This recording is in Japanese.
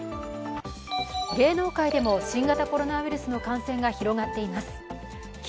芸能界でも新型コロナウイルスの感染が広がっています。